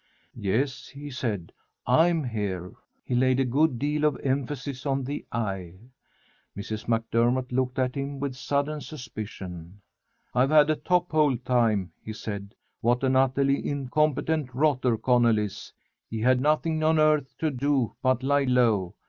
"Yes," he said, "I'm here." He laid a good deal of emphasis on the "I." Mrs. MacDermott looked at him with sudden suspicion. "I've had a top hole time," he said. "What an utterly incompetent rotter Connell is! He had nothing on earth to do but lie low.